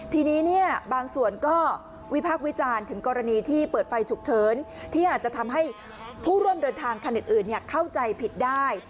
ทีนี้บางส่วนก็วิพากษ์วิจารณ์ถึงกรณีที่เปิดไฟฉุกเฉินที่อาจจะทำให้ผู้ร่วมเดินทางคันอื่นเข้าใจผิดได้